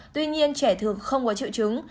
tuy nhiên trẻ thường không có triệu chứng